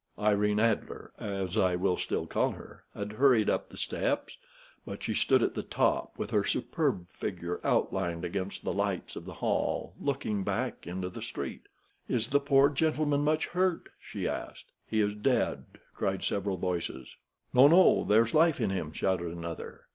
Irene Adler, as I will still call her, had hurried up the steps; but she stood at the top, with her superb figure outlined against the lights of the hall, looking back into the street. "Is the poor gentleman much hurt?" she asked. "He is dead," cried several voices. "No, no, there's life in him," shouted another.